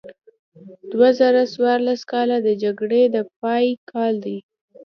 دوه زره څوارلس کال د جګړې د پای کال دی.